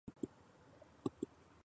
二人ともそこに座って